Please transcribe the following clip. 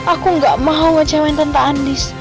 aku gak mau ngecewain tentang andis